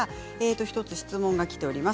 １つ質問がきております。